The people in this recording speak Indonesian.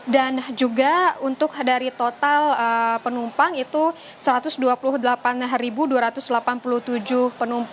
dan juga untuk dari total penumpang itu satu ratus dua puluh delapan dua ratus delapan puluh tujuh